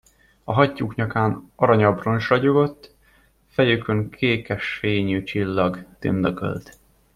A hattyúk nyakán aranyabroncs ragyogott, fejükön kékes fényű csillag tündökölt.